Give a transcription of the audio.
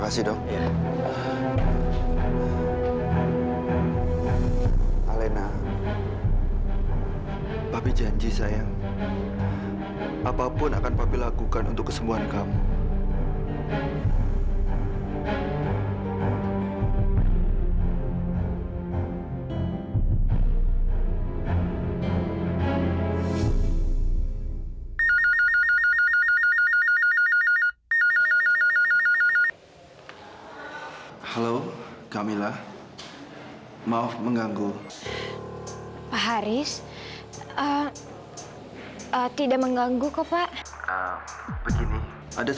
sampai jumpa di video selanjutnya